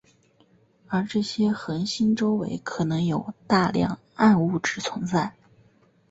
而这些恒星周围可能有大量暗物质存在。